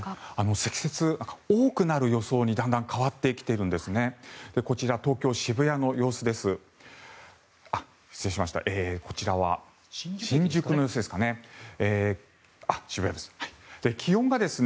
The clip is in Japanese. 積雪、多くなる予想にだんだん変わってきているんですね。